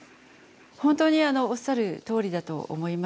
本当におっしゃるとおりだと思います。